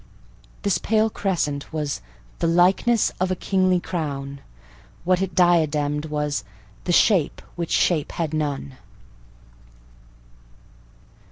This pale crescent was "the likeness of a kingly crown;" what it diademed was "the shape which shape had none."